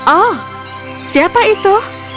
oh siapa itu